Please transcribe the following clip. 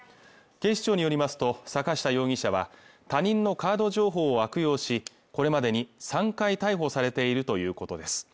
警視庁によりますと坂下容疑者は他人のカード情報を悪用しこれまでに３回逮捕されているということです